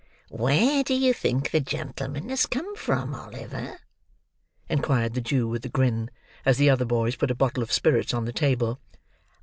"Where do you think the gentleman has come from, Oliver?" inquired the Jew, with a grin, as the other boys put a bottle of spirits on the table.